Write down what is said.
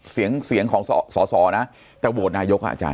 เสียงของสศอนะแต่วัวนายกอ่ะอาจารย์